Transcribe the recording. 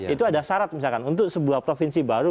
itu ada syarat misalkan untuk sebuah provinsi baru